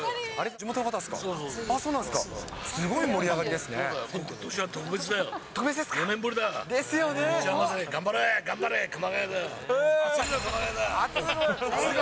地元の方ですか？